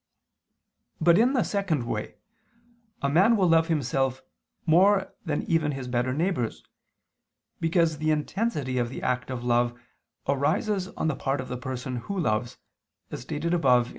But in the second way a man will love himself more than even his better neighbors, because the intensity of the act of love arises on the part of the person who loves, as stated above (AA.